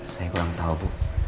saya kurang tau bu